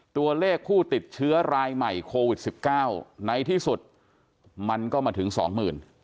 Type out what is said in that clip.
ตัวเลขผู้ติดเชื้อรายใหม่โควิด๑๙ในที่สุดมันก็มาถึงสองหมื่น